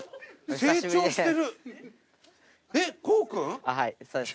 成長してる！